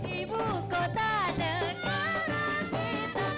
ibu kota negara kita